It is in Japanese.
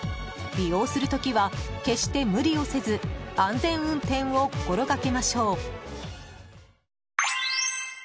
利用する時は決して無理をせず安全運転を心がけましょう。